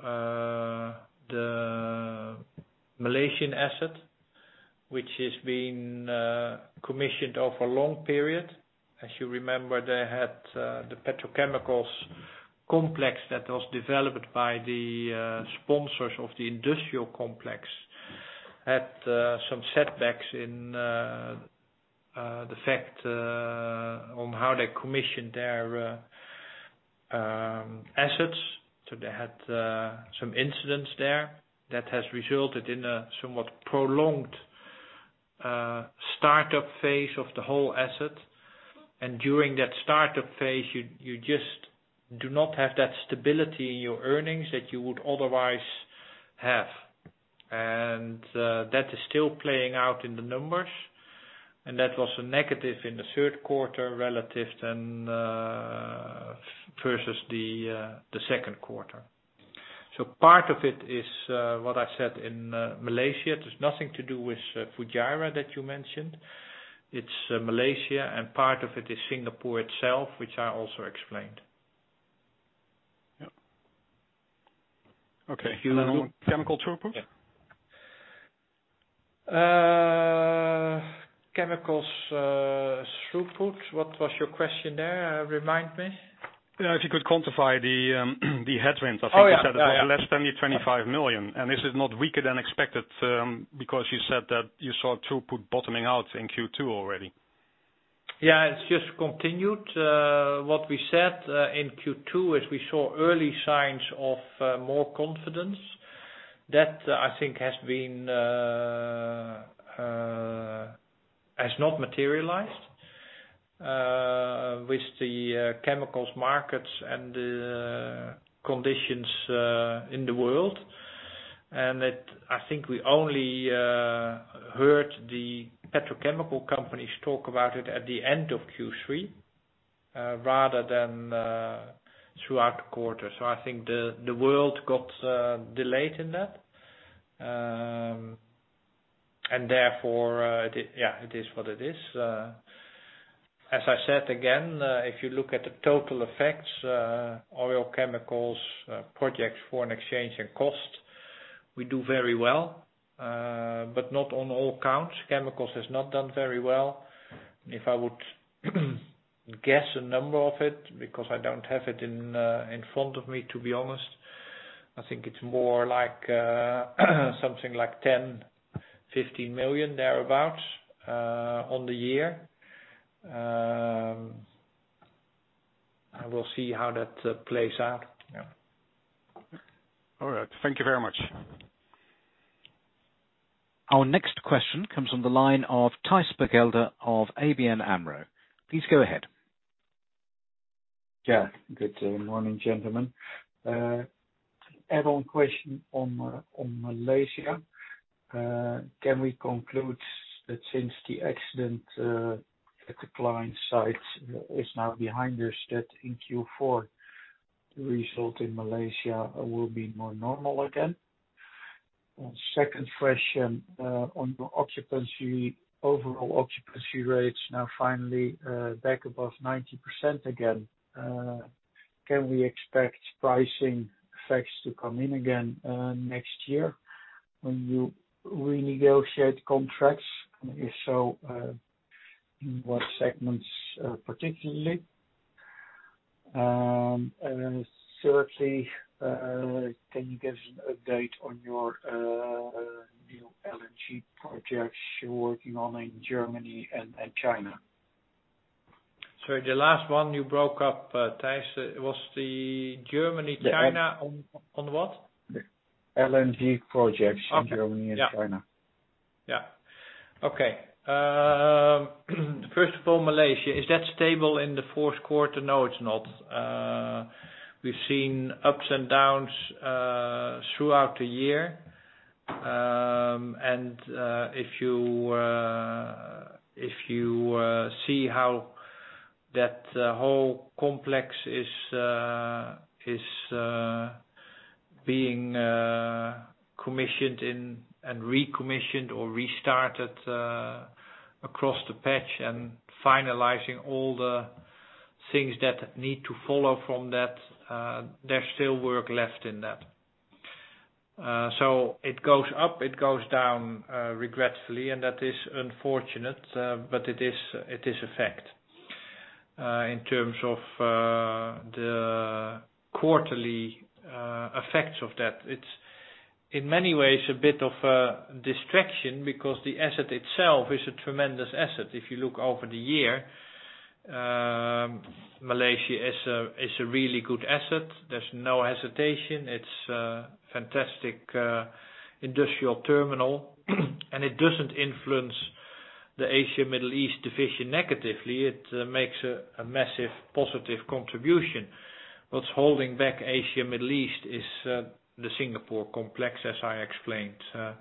the Malaysian asset, which is being commissioned over a long period. As you remember, they had the petrochemicals complex that was developed by the sponsors of the industrial complex, had some setbacks in the fact on how they commissioned their assets. They had some incidents there that has resulted in a somewhat prolonged startup phase of the whole asset. During that startup phase, you just do not have that stability in your earnings that you would otherwise have. That is still playing out in the numbers. That was a negative in the third quarter versus the second quarter. Part of it is what I said in Malaysia. It has nothing to do with Fujairah that you mentioned. It is Malaysia, and part of it is Singapore itself, which I also explained. Yep. Okay. You now on chemical throughput? Chemicals throughput. What was your question there? Remind me. If you could quantify the headwind? Oh, yeah. I think you said it was less than the 25 million. This is not weaker than expected, because you said that you saw throughput bottoming out in Q2 already. Yeah, it's just continued. What we said in Q2 is we saw early signs of more confidence. That, I think has not materialized with the chemicals markets and the conditions in the world. That, I think we only heard the petrochemical companies talk about it at the end of Q3, rather than throughout the quarter. I think the world got delayed in that. Therefore, it is what it is. As I said again, if you look at the total effects, oil chemicals, projects, foreign exchange, and cost, we do very well. Not on all counts. Chemicals has not done very well. If I would guess a number of it, because I don't have it in front of me, to be honest, I think it's more like something like 10 million to 15 million thereabout on the year. I will see how that plays out. Yeah. All right. Thank you very much. Our next question comes on the line of Thijs Berkelder of ABN AMRO. Please go ahead. Yeah. Good morning, gentlemen. Add-on question on Malaysia. Can we conclude that since the accident at the client site is now behind us, that in Q4, the result in Malaysia will be more normal again? Second question on your occupancy. Overall occupancy rates now finally back above 90% again. Can we expect pricing effects to come in again next year when you renegotiate contracts? If so, in what segments particularly? Certainly, can you give us an update on your new LNG projects you're working on in Germany and China? Sorry, the last one you broke up, Thijs. Was the Germany, China on what? The LNG projects- Okay. In Germany and China. Yeah. Okay. First of all, Malaysia. Is that stable in the fourth quarter? No, it's not. We've seen ups and downs throughout the year. If you see how that whole complex is being commissioned and recommissioned or restarted across the patch and finalizing all the things that need to follow from that, there's still work left in that. It goes up, it goes down, regretfully, and that is unfortunate, but it is a fact. In terms of the quarterly effects of that, it's in many ways a bit of a distraction because the asset itself is a tremendous asset. If you look over the year, Malaysia is a really good asset. There's no hesitation. It's a fantastic industrial terminal. It doesn't influence the Asia Middle East division negatively. It makes a massive positive contribution. What's holding back Asia Middle East is the Singapore complex, as I explained. I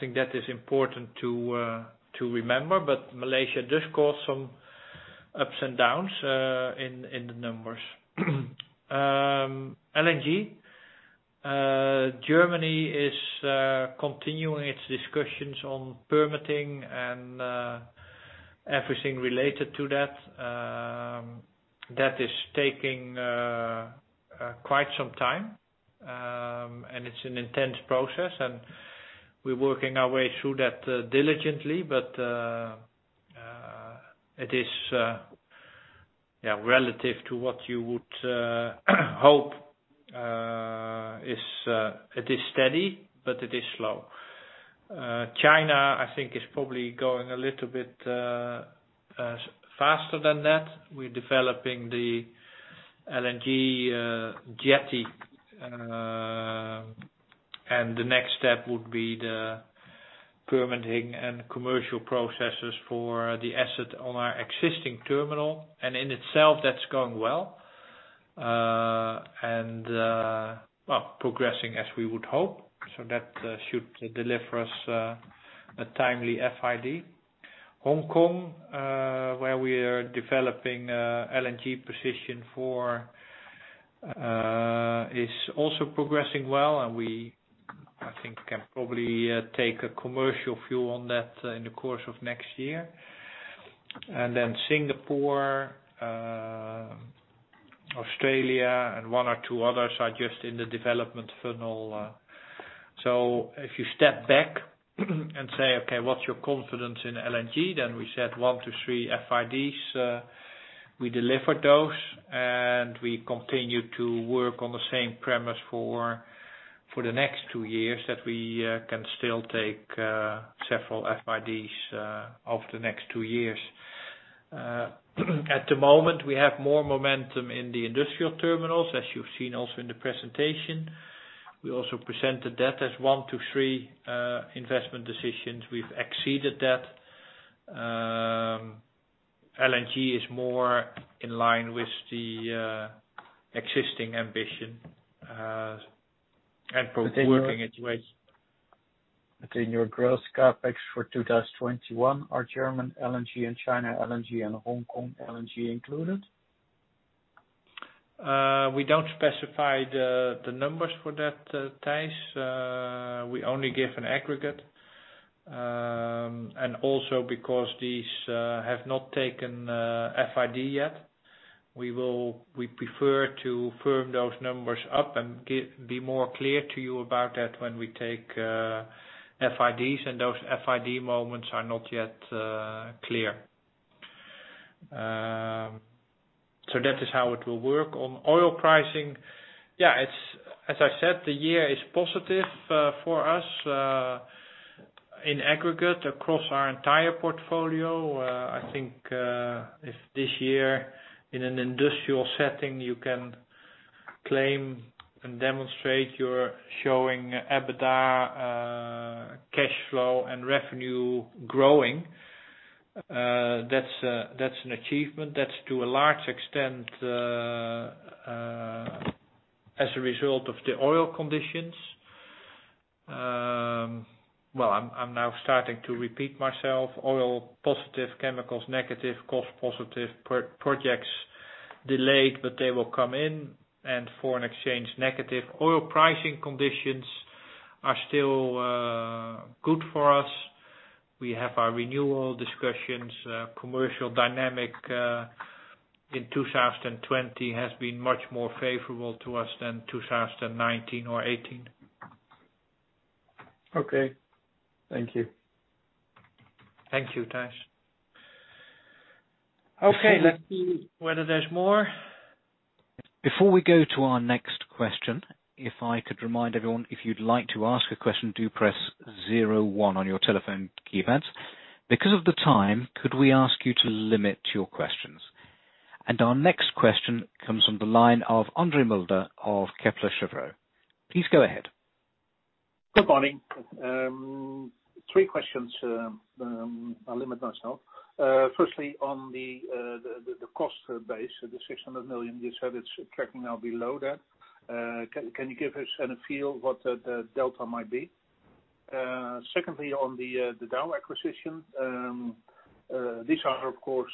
think that is important to remember. Malaysia does cause some ups and downs in the numbers. LNG. Germany is continuing its discussions on permitting and everything related to that. That is taking quite some time, and it's an intense process, and we're working our way through that diligently. It is relative to what you would hope. It is steady, but it is slow. China, I think, is probably going a little bit faster than that. We're developing the LNG jetty. The next step would be the permitting and commercial processes for the asset on our existing terminal. In itself, that's going well, progressing as we would hope. That should deliver us a timely FID. Hong Kong, where we are developing LNG position four, is also progressing well, we, I think, can probably take a commercial view on that in the course of next year. Singapore, Australia, and one or two others are just in the development funnel. If you step back and say, "Okay, what's your confidence in LNG?" We said one to three FIDs. We delivered those, and we continue to work on the same premise for the next two years, that we can still take several FIDs over the next two years. At the moment, we have more momentum in the industrial terminals, as you've seen also in the presentation. We also presented that as one to three investment decisions. We've exceeded that. LNG is more in line with the existing ambition and both working its way. In your growth CapEx for 2021, are German LNG and China LNG and Hong Kong LNG included? We don't specify the numbers for that, Thijs. We only give an aggregate. Also because these have not taken FID yet, we prefer to firm those numbers up and be more clear to you about that when we take FIDs and those FID moments are not yet clear. That is how it will work. On oil pricing, yeah, as I said, the year is positive for us in aggregate across our entire portfolio. I think if this year in an industrial setting, you can claim and demonstrate you're showing EBITDA cash flow and revenue growing, that's an achievement. That's to a large extent as a result of the oil conditions. Well, I'm now starting to repeat myself. Oil positive, chemicals negative, cost positive, projects delayed, but they will come in, and foreign exchange negative. Oil pricing conditions are still good for us. We have our renewal discussions. Commercial dynamic in 2020 has been much more favorable to us than 2019 or 2018. Okay. Thank you. Thank you, Thijs. Let's see whether there's more. Before we go to our next question, if I could remind everyone, if you'd like to ask a question, do press zero one on your telephone keypads. Because of the time, could we ask you to limit your questions? Our next question comes from the line of André Mulder of Kepler Cheuvreux. Please go ahead. Good morning. Three questions. I'll limit myself. Firstly, on the cost base of the 600 million, you said it's tracking now below that. Secondly, on the Dow acquisition. These are, of course,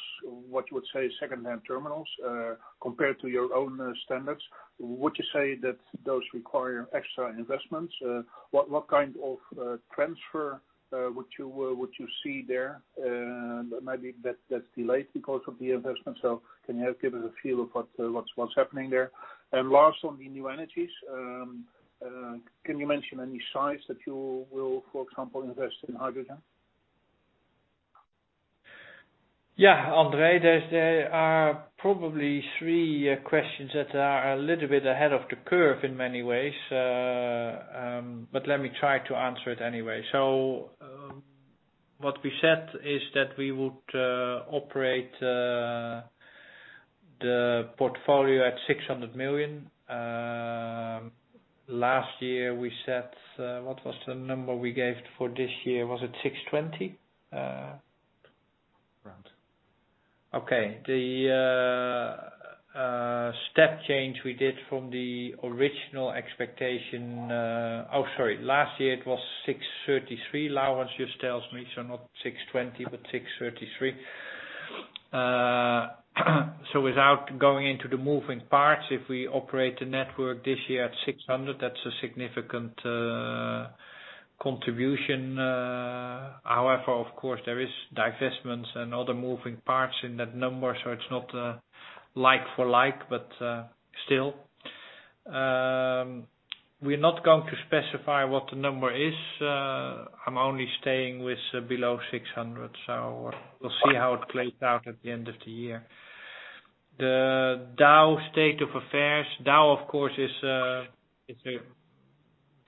what you would say, secondhand terminals, compared to your own standards. Would you say that those require extra investments? What kind of transfer would you see there? Maybe that's delayed because of the investment. Can you help give us a feel of what's happening there? Last, on the new energies. Can you mention any sites that you will, for example, invest in hydrogen? André, there are probably three questions that are a little bit ahead of the curve in many ways. Let me try to answer it anyway. What we said is that we would operate the portfolio at 600 million. Last year, we said, what was the number we gave for this year? Was it 620 million? Around. The step change we did from the original expectation. Last year it was 633 million, Laurens just tells me. Not 620 million, but 633 million. Without going into the moving parts, if we operate the network this year at 600 million, that's a significant contribution. However, of course, there is divestments and other moving parts in that number, so it's not like for like. Still, we're not going to specify what the number is. I'm only staying with below 600 million, so we'll see how it plays out at the end of the year. The Dow state of affairs. Dow, of course, is a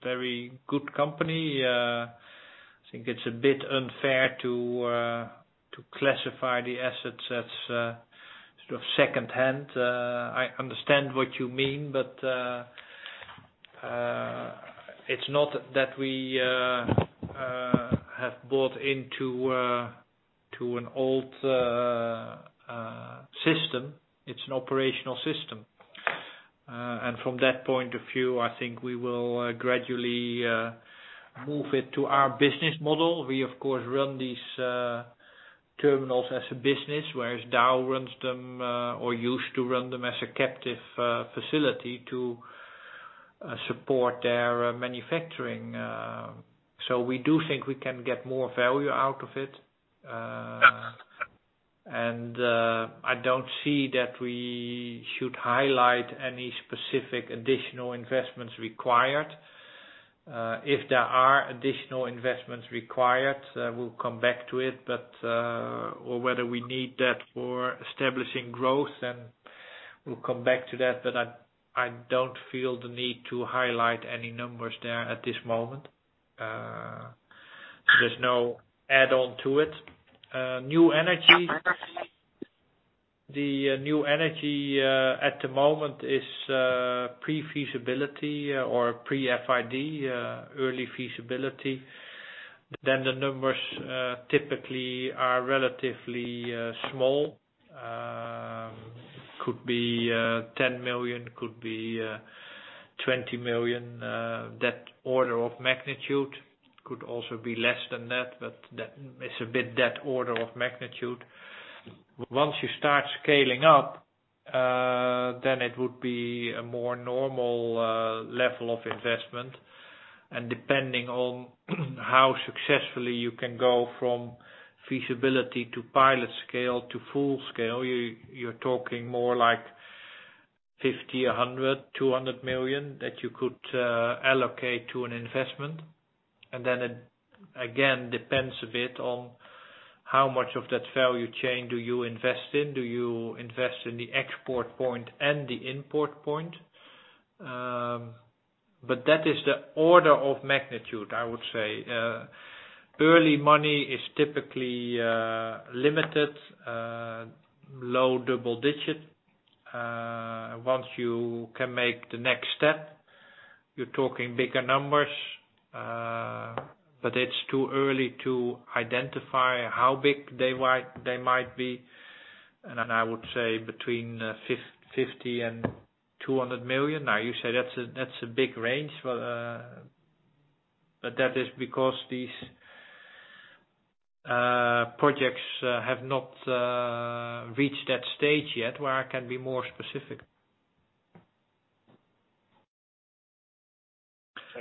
very good company. I think it's a bit unfair to classify the assets as secondhand. I understand what you mean, but it's not that we have bought into an old system. It's an operational system. From that point of view, I think we will gradually move it to our business model. We, of course, run these terminals as a business, whereas Dow runs them or used to run them as a captive facility to support their manufacturing. We do think we can get more value out of it. I don't see that we should highlight any specific additional investments required. If there are additional investments required, we'll come back to it, or whether we need that for establishing growth, and we'll come back to that. I don't feel the need to highlight any numbers there at this moment. There's no add-on to it. New energy. The new energy at the moment is pre-feasibility or pre-FID, early feasibility. The numbers typically are relatively small. Could be 10 million, could be 20 million. That order of magnitude. Could also be less than that, but it's a bit that order of magnitude. Once you start scaling up, then it would be a more normal level of investment, and depending on how successfully you can go from feasibility to pilot scale to full scale, you're talking more like 50 million, 100 million, 200 million that you could allocate to an investment. Then it, again, depends a bit on how much of that value chain do you invest in. Do you invest in the export point and the import point? That is the order of magnitude, I would say. Early money is typically limited, low double digit. Once you can make the next step, you're talking bigger numbers. It's too early to identify how big they might be. I would say between 50 million and 200 million. Now, you say that's a big range. That is because these projects have not reached that stage yet where I can be more specific.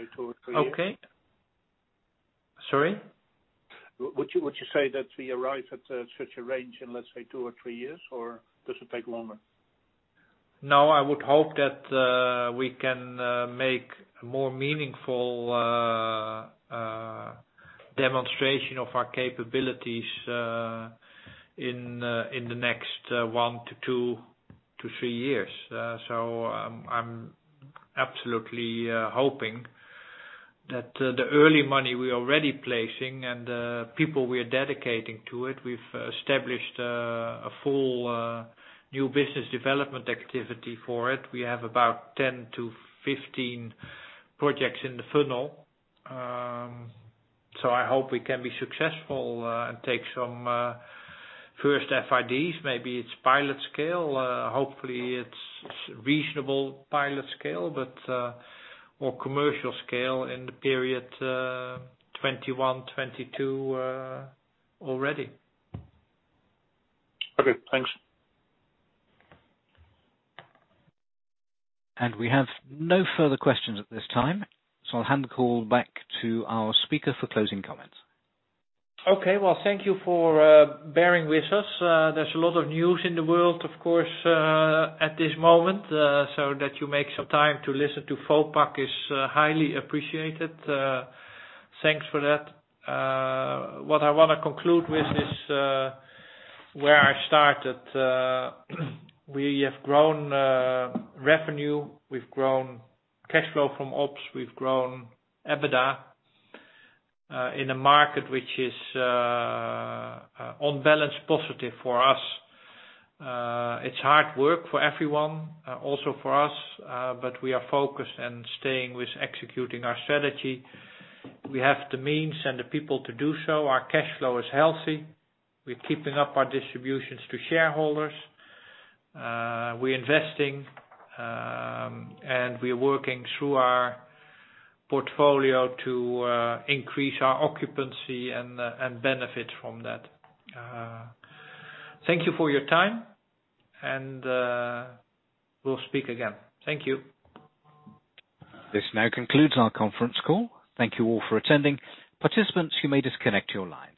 Say two or three years. Okay. Sorry? Would you say that we arrive at such a range in, let's say, two or three years, or does it take longer? No, I would hope that we can make more meaningful demonstration of our capabilities in the next one to two to three years. I'm absolutely hoping that the early money we're already placing and people we're dedicating to it, we've established a full new business development activity for it. We have about 10-15 projects in the funnel. I hope we can be successful and take some first FIDs. Maybe it's pilot scale. Hopefully, it's reasonable pilot scale, but more commercial scale in the period 2021, 2022 already. Okay, thanks. We have no further questions at this time, so I'll hand the call back to our speaker for closing comments. Okay. Well, thank you for bearing with us. There's a lot of news in the world, of course, at this moment, so that you make some time to listen to Vopak is highly appreciated. Thanks for that. What I want to conclude with is where I started. We have grown revenue, we've grown cash flow from ops, we've grown EBITDA, in a market which is on balance positive for us. It's hard work for everyone, also for us, but we are focused and staying with executing our strategy. We have the means and the people to do so. Our cash flow is healthy. We're keeping up our distributions to shareholders. We're investing, and we're working through our portfolio to increase our occupancy and benefit from that. Thank you for your time and we'll speak again. Thank you. This now concludes our conference call. Thank you all for attending. Participants, you may disconnect your lines.